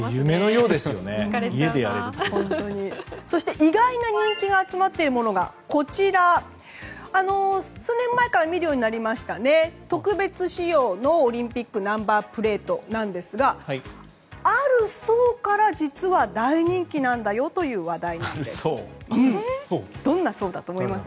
意外な人気が集まっているものが数年前から見るようになった特別仕様のオリンピックナンバープレートある層から実は大人気なんだよという話題なんです。